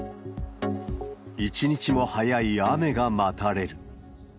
一日も早い雨が待たれる。